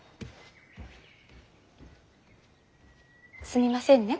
すみませんね